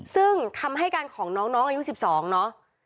ซึ่งคำให้การของน้องอายุ๑๒เนอะ